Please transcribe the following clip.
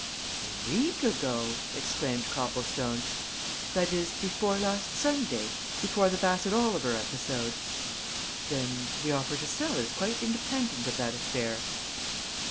"A week ago!" exclaimed Copplestone. "That is, before last Sunday before the Bassett Oliver episode. Then the offer to sell is quite independent of that affair!"